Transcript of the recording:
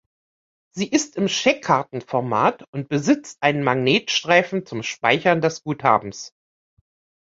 Sie ist im Scheckkartenformat und besitzt einen Magnetstreifen zum Speichern des Guthabens.